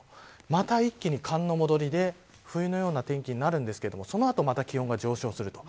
また一気に寒の戻りで冬のような天気なるんですけどその後、また気温が上昇すると。